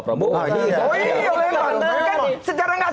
udah mulai dijawab